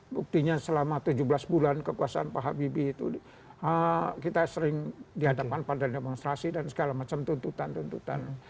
buktinya selama tujuh belas bulan kekuasaan pak habibie itu kita sering dihadapkan pada demonstrasi dan segala macam tuntutan tuntutan